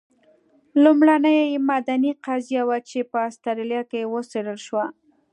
لومړنۍ مدني قضیه وه چې په اسټرالیا کې وڅېړل شوه.